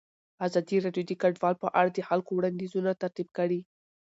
ازادي راډیو د کډوال په اړه د خلکو وړاندیزونه ترتیب کړي.